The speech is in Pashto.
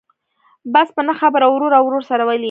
بس په نه خبره ورور او ورور سره ولي.